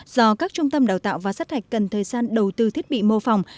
do các trung tâm đào tạo và sát hạch cần thời gian đầu tư thiết bị mô phỏng